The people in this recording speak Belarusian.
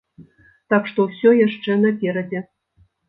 Так што ўсё яшчэ наперадзе!